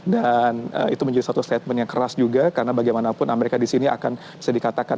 dan itu menjadi satu statement yang keras juga karena bagaimanapun amerika di sini akan bisa dikatakan